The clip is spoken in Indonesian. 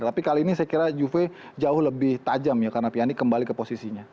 tapi kali ini saya kira juve jauh lebih tajam ya karena piani kembali ke posisinya